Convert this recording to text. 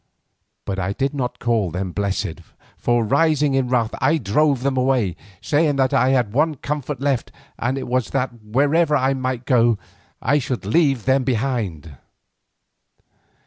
But I did not call them blessed, for, rising in wrath, I drove them away, saying that I had but one comfort left, and it was that wherever I might go I should leave them behind.